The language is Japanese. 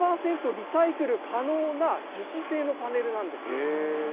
リサイクル可能な樹脂製のパネルなんですよ。